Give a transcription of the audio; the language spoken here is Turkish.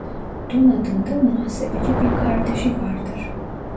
Don adında muhasebeci bir kardeşi vardır.